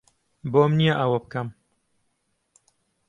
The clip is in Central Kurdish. بۆم نییە ئەوە بکەم.